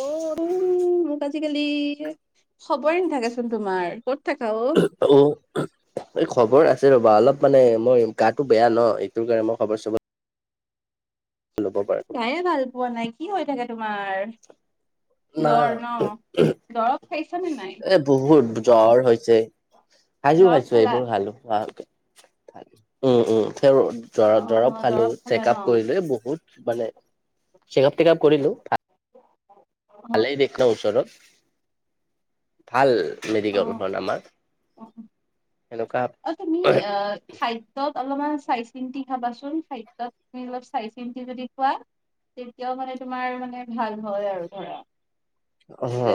অ উ মোক আজিকালি খবৰে নাথাকেচোন তোমাৰ। ক'ত থাকা ও। ত অ [unintelligible] এই খবৰ আছে ৰবা অলপ মানে মই গাটো বেয়া ন এইটো কাৰণে মই খবৰ চবৰ ল'ব পাৰো গায়ে ভাল পোৱা নাই কি হৈ থাকে তোমাৰ? না জ্বৰ ন দৰৱ খাইছা নে নাই। এ বহুত জ্বৰ হৈছে, খাইছো দৰৱ খাইছোঁ খালা এইবোৰ খালো খক উম উম অ দৰৱ অ খালোঁ খালা ন চেকাআপ কৰিলোঁ বহুত মানে। চেকাআপ টেকাআপ কৰিলোঁ। অ ভালেই দেখ ন ওচৰত। ভাল অ অ মেডিকেলখন আমাৰ। সেনেকুৱা [inaudible] খাদ্যত অলপমান চাই চিন্তি খাবাচোন, খাদ্যত তুমি অলপ চাই চিন্তি যদি খোৱা- তেতিয়াও মানে তোমাৰ মানে ভাল হয় আৰু ধৰা। অ যে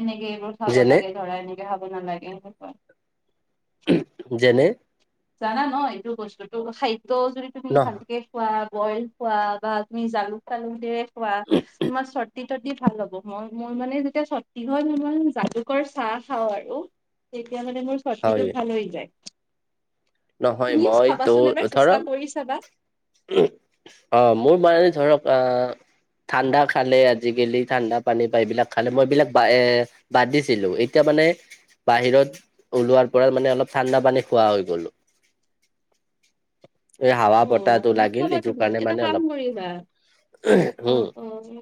এনেকে এইবোৰ খাব যেনে লাগে ধৰা এনেকে খাব নালাগে সেনেকা। যেনে জানা ন এইটো বস্তুতটো খাদ্য যদি তুমি ন ভালকে খোৱা, বইল খোৱা, বা তুমি জালুক চালুক দৰে খোৱা, তোমাৰ চৰ্দি চৰ্দি ভাল হ'ব হয় মই মানে যেতিয়া চৰ্দি হয় মই মানে জালুকৰ চাহ খাওঁ আৰু। তেতিয়া মানে মোৰ হয় চৰ্দিটো ভাল হৈ যায়। নহয় তুমিও মই তো খাবাচোন এবাৰ ধৰা চেষ্টা কৰি চাবা অ মোৰ মাই ধৰক আহ- ঠাণ্ডা খালে আজিকালি ঠাণ্ডা পানী বা এইবিলাক খালে মই বিলাক বাইয়ে- বাদ দিছিলো, এতিয়া মানে- বাহিৰত ওলোৱাৰ পৰা মানে অলপ ঠাণ্ডা পানী খোৱা হৈ গ'লো। এই হাৱা অ বতাহটো লাগিল নাখাবা এইটো তুমি কাৰণে এটা মানে কাম অলপ কৰিবা অ হুম। অ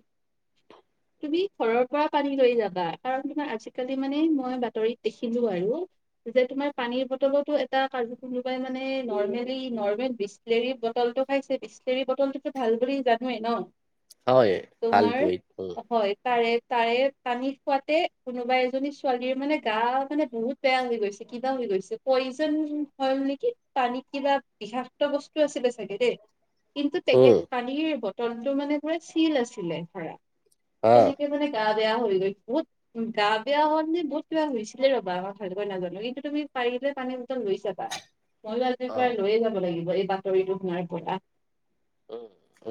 তুমি ঘৰৰ পৰা পানী লৈ যাবা কাৰণ তোমাৰ আজিকালি মানে মই বাতৰিত দেখিলো আৰু। যেতিয়া তোমাৰ পানীৰ বটলটো এটা কাজ কোনোবাই মানে নৰ্মেলি নৰ্মেল বিচ- লেৰি বটলটো খাইছে বিচলেৰী বটলটোতো ভাল বুলি জানোৱেই ন। হয় তোমাৰ ভালটোয়ে। হয় তাৰে তাৰে পানী খোৱাতে কোনোবা এজনী ছোৱালীৰ মানে গা মানে বহুত- বেয়া হৈ গৈছে, কিবা হৈ গৈছে, পয়জন হল নেকি পানীত কিবা বিষাত- ত বস্তু আছিলে চাগে দেই। কিন্তু তেখেত উম পানীৰ বটলটো মানে পুৰা চিল আছিলে ধৰা। অ তেনেকে মানে গা বেয়া হৈ গৈছে বহুত। উ গাবেয়া হনলি বহুত কিবা হৈছিলে ৰ'বা আমাৰ ধৰিবয়ে নাজানো কিন্তু তুমি পাৰিলে পানী, লৈ চাবা ময়ো আজিৰ অ পৰা লৈয়ে যাব লাগিব এই বাতৰিটো শুনাৰ পৰা। উ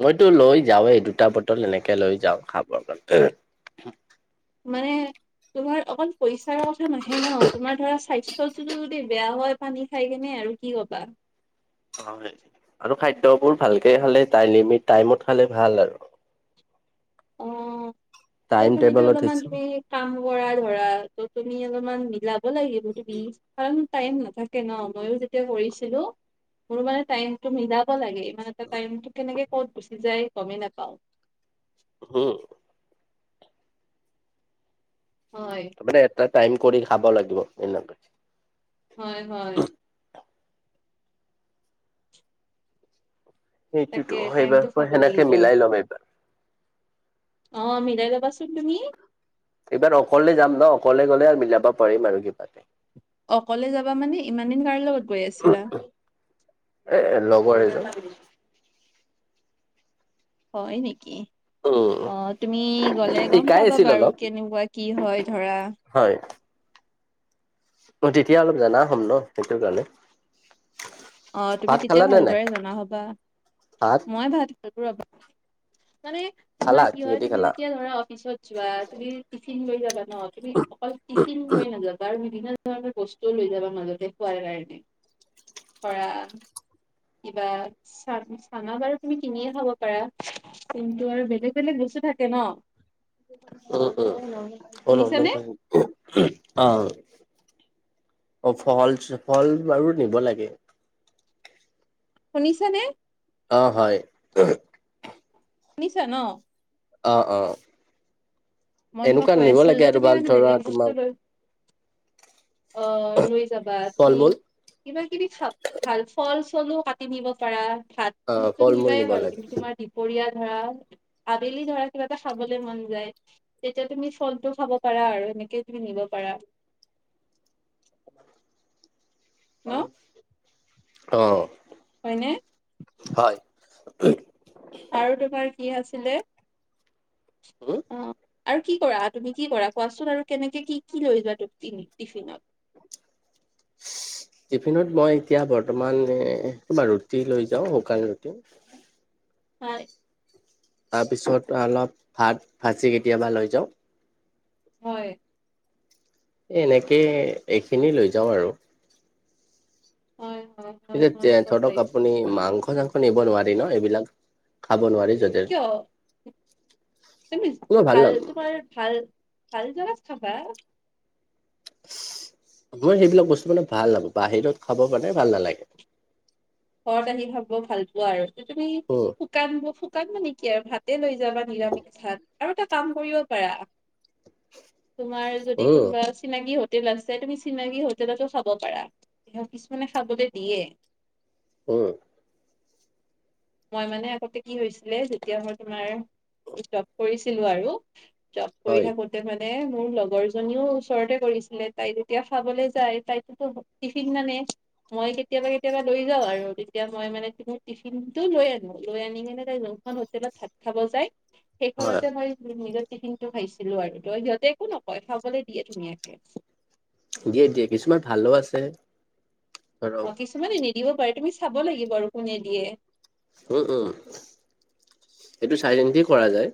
মইতো লৈ যাওেই দুটা বটল এনেকে লৈ যাও খাবৰ কাৰণে। মানে। তোমাৰ অকল পইচাৰৰ কথা নাহে ন তোমাৰ ধৰা স্বাস্থ্যটতো যদি বেয়া হয়। পানী খাই কেনে আৰু কি কবা। অহ হয় আৰু খাদ্যবোৰ ভালকে খালে লিমিট টাইমত খালে ভাল আৰু অ এতিয়া টাইম তুমি টো টেবলত অলপমান সেই। কাম কৰা ধৰা, ত তুমি অলপমান মিলাব লাগিব তুমি, কাৰণ টাইম নাথাকে ন ময়ো যেতিয়া কৰিছিলো। মোৰ মানে টাইমটো মিলাব লাগে মানে টাইমটো কেনেকে ক'ত গুচি যায় গমেই নেপাওঁ। শুম, হয়। মানে এটা টাইম কৰি খাব লাগিব এনেকে। হয় হয়। সেইটোতো তাকে সেইবাৰ টাইমটো পৰা চাব সেনেকে লাগিব। মিলাই ল'ম এইবাৰ। অ মিলাই লাবাচোন তুমি। এইবাৰ অকলে যাম ন অকলে গলে আৰু মিলাব পাৰিম আৰু কিবা কে। অকলে যাবা মানে ইমান দিন কাৰ লগত গৈ আছিলা। এ লগৰ এজন। হয় নেকি। অ উম তুমি গলে গম শিকাই পাবা আছিল বাৰু অলপ কেনেকুৱা কি হয় ধৰা। হয়। অ তেতিয়া অলপ জানা হ'ম ন সেইটো কাৰণে। অ তুমি ভাত তেতিয়া খালা নে নাই ভালদৰে জনা হ'বা, ভাত মই ভাত [unintelligible] ৰবা। মানে খালা তোমাৰ কি হয় কিহেদি তুমি খালা? যেতিয়া ধৰা অফিচত যোৱা তুমি টিফিন লৈ যাবা। ন তুমি অকল টিফিন লৈ নাযাবা ত বিভিন্ন ধৰণৰ বস্তুও লৈ যাবা মাজতে খোৱাৰ কাৰণে। ধৰা কিবা। চান চানা বাৰু তুমি কিনিয়ে খাব পাৰা কিন্তু আৰু বেলেগ বেলেগ বস্তু থাকে ন। উম উম অহ নৰ্মেল শুনিছানে পানী, অ অ ফল ফল বাৰু নিব লাগে। শুনিছা নে। অ হয়। শুনিছা ন। অ অ, মই তোমাক এনেকুৱা কৈ নিব আছিলো লাগে যে আৰু ভাল তুমিমানে ধৰা বেলেগ বস্তু তোমাক লৈ। অ লৈ যাবা ফল তুমি, মূল কিবা কিবি খা ভাল ফল চলো কাটি নিব পাৰা ভাত, অ [unintelligible] ফল মূল নিবায়ে নিব বাৰু লাগে। কিন্তু তোমাৰ দিব, পৰিয়া ধৰা আবেলি ধৰা কিবা এটা খাবলে মন যায়। তেতিয়া তুমি ফল টো খাব পাৰা আৰু এনেকে তুমি নিব পাৰা। ন অ, হয়নে। হয়, আৰু তোমাৰ কি আছিলে। হো, অ আৰু কি কৰা তুমি কি কৰা কোৱাচোন আৰু কেনেকে কি কি লৈ যোৱা টিফিনত। [unintelligible] টিফিনত মই এতিয়া বৰ্তমান কিবা ৰুটি লৈ যাওঁ শুকান ৰুটি। হয়। তাৰপিছত অলপ ভাত ভাজি কেতিয়াবা লৈ যাওঁ। হয়। এই এনেকে এইখিনি লৈ যাওঁ আৰু। হয় হয়। হয় কিন্তু তে হয় গম ধৰক পাইছো আপুনি মাংস চাংস নিব নোৱাৰি ন এইবিলাক খাব নোৱাৰি য কিয়? তুমি মই ভাল নাপ তোমাৰ ভাল ভাল জাগাত খাবা। মই সেইবিলাক বস্তু মানে ভাল নাপাওঁ, বাহিৰত খাব কাৰণে ভাল নালাগে। ঘৰত আহি খাব ভাল পোৱা আৰু তুমি শু উম শুকান শুকান মানে কি আৰু ভাতে লৈ যাবা নিৰামিষ ভাত আৰু এটা কাম কৰিব পাৰা। [unintelligible] তোমাৰ যদি উম কোনোবা চিনাকি হোটেল আছে তুমি চিনাকি হোটেলতো খাব পাৰা। কিছুমানে খাবলৈ দিয়ে। অঁ। মই মানে আগতে কি হৈছিলে যেতিয়া মই তোমাৰ জব কৰিছিলোঁ আৰু জব কৰি হয় থাকোতে মানে মোৰ লগৰ জনীও ওচৰতে কৰিছিলে তাই যেতিয়া খাবলৈ যায় তাইটোতো টিফিন নানে মই কেতিয়াবা কেতিয়াবা লৈ যাওঁ আৰু তেতিয়া মই মানে মোৰ টিফিন টো লৈ আনো, লৈ আনি কিনে তাই যোনখন হোটেলত ভাত খাব যায়। হয় সেইখনতে মই মোৰ নিজৰ টিফিনটো খাইছিলো আৰু ত' সিহঁতে একো নকয় খাবলে দিয়ে ধুনীয়াকে। দিয়ে দিয়ে কিছুমান ভালো আছে। ধৰক অঁ কিছুমানে নিদিব পাৰে তুমি চাব লাগিব আৰু কোনে দিয়ে। উম উম। এইটো চাই চিন্তি কৰা যায়।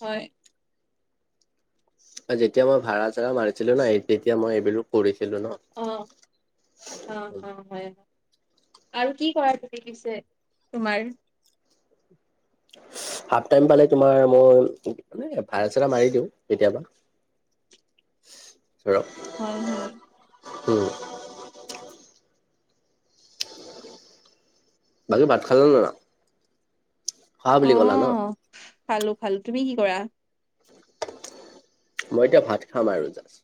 হয়। এ যেতিয়া মই ভাড়া ছাড়া মাৰিছিলো ন তেতিয়া মই এইবিলো কৰিছিলোঁ ন। অঁ, অহ অহ হয়। আৰু কি কৰা তুমি পিছে? তোমাৰ হাফ টাইম পালে তোমাৰ মই মানে ভাড়া ছাড়া মাৰি দিওঁ কেতিয়াবা। ধৰক হয় হয়। উম। বাকী ভাত খালা না না? অঁ খালো খালো। তুমি কি কৰা? মই এতিয়া ভাত খাম আৰু জাষ্ট।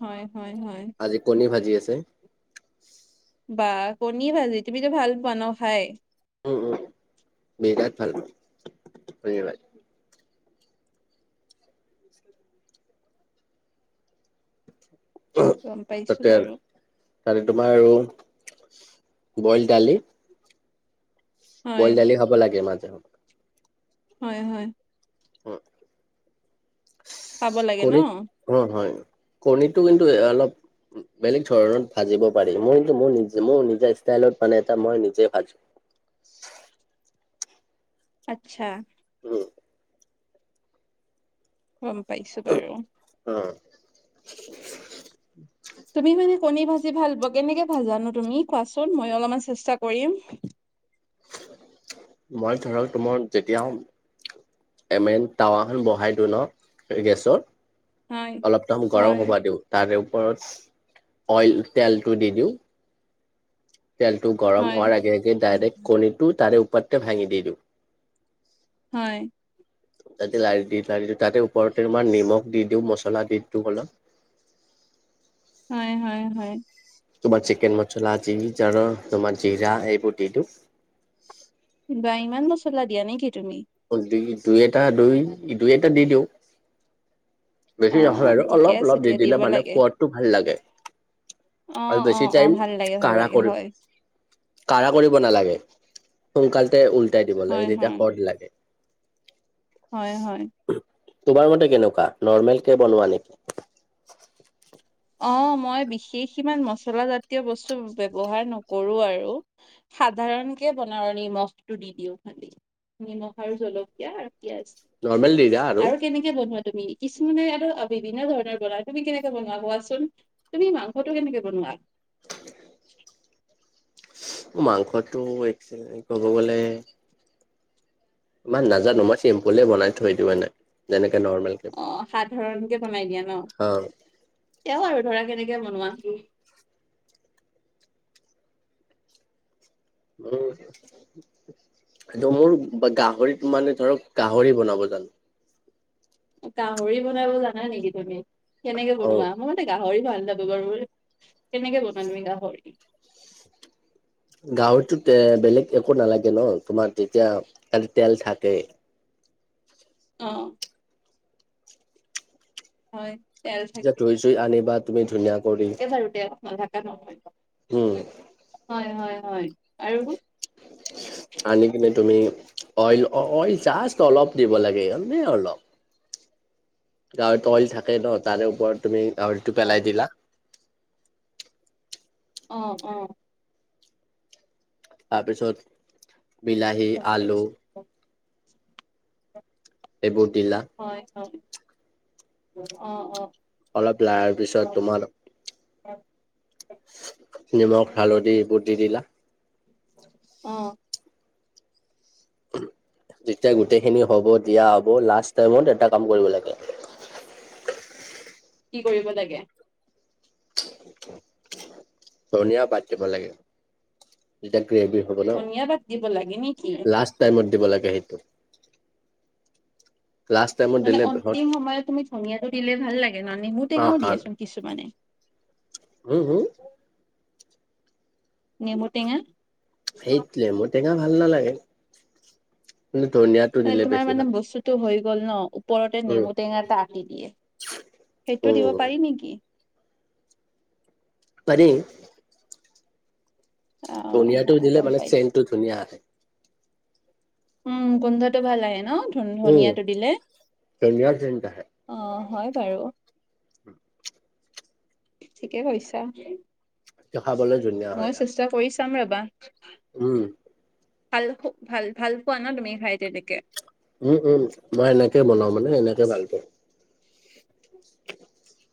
হয় হয় হয়। আজি কণী ভাজি আছে বাহ কণী ভাজি তুমিতো ভাল পোৱা ন খাই? উম উম, বিৰাত ভাল পাওঁ ধন্যবাদ। উমহ, গম পাইছো তাতে বাৰু তাতে তোমাৰ আৰু বয়েল দালি। হয় বয়েল দালি খাব লাগে মাজে সময়ে। হয় হয়। উম। খাব লাগে ন? অঁ হয় কণীটো কিন্তু অলপ বেলেগ ধৰণত ভাজিব পাৰি মই কিন্তু মোৰ নিজে মোৰ নিজা ষ্টাইলত মানে এটা মই নিজে ভাজো আচ্ছা। উম। গম পাইছো বাৰু? অঁ। তুমি মানে কণী ভাজি ভাল পোৱা। কেনেকে ভাজানো তুমি কোৱাচোন? ময়ো অলপমান চেষ্টা কৰিম। মই ধৰক তোমাৰ যেতিয়া এনে টাৱাখন বহাই দিওঁ ন গেছত, হয় অলপমান গৰম হয় হ'ব দিওঁ তাৰে ওপৰত অইল তেলটো দি দিওঁ। তেলটো গৰম হয় হোৱাৰ আগে আগে ডাইৰেক্ট কণীটো তাৰে ওপৰতে ভাঙি দি দিওঁ। হয়। তাতে লাৰি দি লাৰি দিওঁ তাতে ওপৰতে তোমাৰ নিমখ দি দিওঁ মছলা দি দিওঁ অলপ। হয় হয় হয়। তোমাৰ চিকেন মচলা যি জাৰ তোমাৰ জিৰা এইবোৰ দি দিওঁ। বা ইমান মছলা দিয়া নেকি তুমি। দুই দুই এটা দুই দুই এটা দি দিওঁ। অ বেছি নহয় আৰু ঠিকে অলপ আছে অলপ দি দিয়া দিলে দিব মানে লাগে সোৱাদটো ভাল লাগে। অ আৰু অ বেছি অ টাইম ভাল লাগে ভাল কাঢ়া লাগে কৰি, হয় কাঢ়া কৰিব নালাগে সোনকালতে উল্টাই দিব লাগে হয় তেতিয়া হয় সোৱাদ লাগে। হয় হয়। তোমাৰ মতে কেনেকুৱা নৰ্মেল কে বনোৱা নেকি। অ মই বিশেষ ইমান মছলা জাতীয় বস্তু ব্যৱহাৰ নকৰো আৰু সাধাৰণ কে বনাওঁ নিমখটো দি দিওঁ খালি নিমখ আৰু জলকীয়া। আৰু কেনেকে, নৰ্মেল দিৰা আৰু কেনেকে বনোৱা তুমি কিছুমানে আৰু বিভিন্ন ধৰণৰ বনোৱা তুমি কেনেকে বনোৱা কোৱাচোন। তুমি মাংসটো কেনেকে বনোৱা। [unintelligible] মাংসতো একচোৱেলি ক'ব গ'লে, ইমান নাজানো মই চিম্পুলেই বনাই থৈ দিওঁ মানে যেনেকে নৰ্মেল, কে অ সাধাৰণকে বনাই দিয়া ন হা তেওঁ আৰু ধৰা কেনেকে বনোৱা। উম, মোৰ গাহৰিত মানে ধৰক গাহৰি বনাব জানো। গাহৰি বনাব জানা নেকি তুমি কেনেকে অ বনোৱা মই গাহৰি ভাল নাপাও বাৰু মই কেনেকে বনোৱা তুমি গাহৰি? গাহৰিতো তে বেলেগ একো নালাগে ন তোমাৰ তেতিয়া তাতে তেল থাকে। অ, হয়। এতি ধুই চুই আনিবা তুমি ধুনীয়াকে। এইবাৰ উঠয়া [unintelligible] উম হয় হয় হয় আৰু আনি কিনে তুমি অইল অ অইল জাষ্ট অলপ দিব লাগে এনেই অলপ, গাহৰিতটো অইল থাকে ন তাৰে ওপৰত তুমি গাহৰিটো হয় পেলাই দিলা। হয় অ, অ। তাৰপিছত বিলাহী আলু [unintelligible] এইবোৰ দিলা হয় হয় অ অ। অলপ লাৰ পিছত তোমালোক নিমখ হালধি এইবোৰ দি দিলা। অ। যেতিয়া গোটেই খিনি হ'ব দিয়া হ'ব লাষ্ট টাইমত এটা কাম কৰিব লাগে। কি কৰিব লাগে? ধনীয়া পাত দিব লাগে তেতিয়া গ্ৰেভী ধনীয়া পাত দিব লাগে নেকি। টাইমত দিব লাগে সেইটো। লাষ্ট, টাইমত মানে দিলে বহুত অন্তিম সময়ত তুমি ধুনিয়টো দিলে ভাল লাগে ন নেমু অ টেঙাও দিয়াচোন কিছুমানে। হুম হুম [unintelligible] নেমু টেঙা। সেইটোৱে নেমু টেঙা ভাল নালাগে কিন্তু ধুনিয়াত। মানে তোমাৰ মানে বস্তুটো হৈ গ'ল ন। ওপৰতে উম নেমু টেঙা এটা আটি দিয়ে সেইটো দিব উম পাৰি নেকি? পাৰি। অ ধুনীয়া টো হয় দিলে গম মানে পাইছো চেনটো ধুনীয়া আহে। উম, গোন্ধটো ভাল আহে ন ধন ধুনিয়া উম টো দিলে। ধুনীয়া ধুনীয়া অ, হয় বাৰু ঠিকে কৈছা? দেখাবলে ধুনীয়া হয় মই ইয়াত চেষ্টা কৰি চাম ৰবা। উম। ভাল হো ভাল ভাল পোৱা ন তুমি খাই তেনেকে? উম, উম মই এনেকে বনাও মানে এনেকে ভাল পাওঁ। [unintelligible]